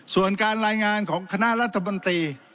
ส่วนการรายงานของคณะรัฐมนตรี